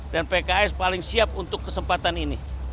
dan pks paling siap untuk kesempatan ini